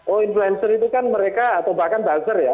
oh influencer itu kan mereka atau bahkan buzzer ya